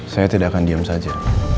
saya tidak akan diam saja